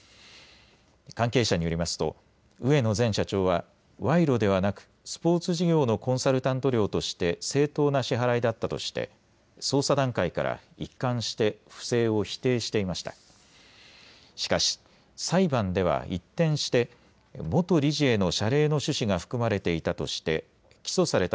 関係者によりますと植野前社長は賄賂ではなくスポーツ事業のコンサルタント料として正当な支払いだったとして捜査段階から一貫して不正を否定していました。